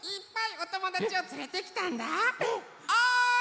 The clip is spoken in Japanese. おい！